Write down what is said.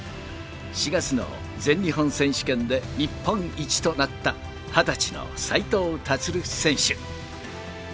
４月の全日本選手権で日本一となった、２０歳の斉藤立選手。